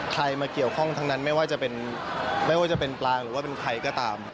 ใครมาเกี่ยวข้องทั้งนั้นไม่ว่าจะเป็นไม่ว่าจะเป็นปลางหรือว่าเป็นใครก็ตาม